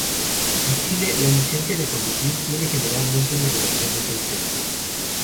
En Chile, la licencia de conducir tiene generalmente una duración de seis años.